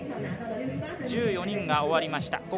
１４人が終わりました。